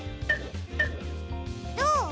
どう？